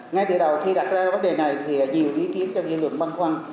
ngay từ đầu khi đặt ra vấn đề này thì nhiều ý kiến trong dân lượng băng khoăn